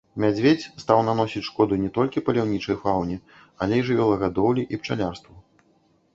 Мядзведзь стаў наносіць шкоду не толькі паляўнічай фауне, але і жывёлагадоўлі, і пчалярству.